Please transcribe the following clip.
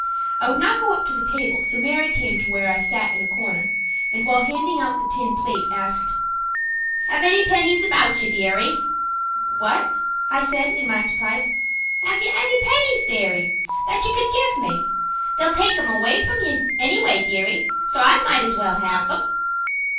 I would not go up to the table, so Mary came to where I sat in a corner, and while handing out the tin plate, asked: "Have ye any pennies about ye, dearie?" "What?" I said, in my surprise. "Have ye any pennies, dearie, that ye could give me. They'll take them all from ye any way, dearie, so I might as well have them."